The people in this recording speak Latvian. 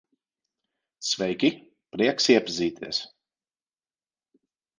Sveiki, prieks iepazīties.